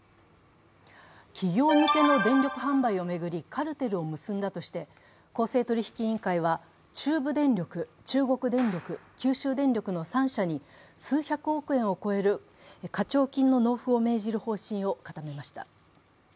企業向けの電力販売を巡るカルテルを結んだとして公正取引委員会は中部電力、中国電力、九州電力の３社に数百億円を超える課徴金の納付を命じる方針を固めました。